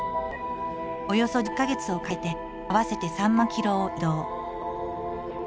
およそ１０か月をかけて合わせて３万キロを移動。